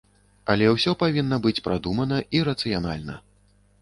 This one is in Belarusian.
Але ўсё павінна быць прадумана і рацыянальна.